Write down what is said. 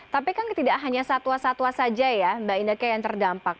tapi kan tidak hanya satwa satwa saja ya mbak ineke yang terdampak